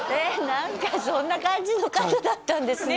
何かそんな感じの方だったんですね